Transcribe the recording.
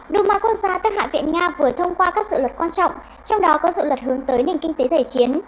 đủ mà quốc gia tất hại viện nga vừa thông qua các dự luật quan trọng trong đó có dự luật hướng tới nền kinh tế thể chiến